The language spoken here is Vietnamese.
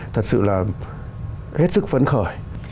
thật sự là hết sức phấn khởi